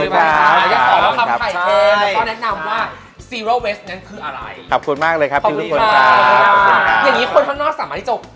วันนี้บอกว่ากิจกรรมของฟาร์ม